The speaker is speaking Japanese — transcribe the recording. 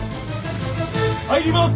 入ります！